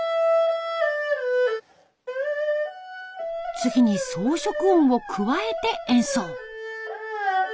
次に装飾音を加えて演奏。